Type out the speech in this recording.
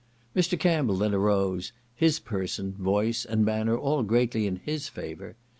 Mr. Campbell then arose; his person, voice, and manner all greatly in his favour.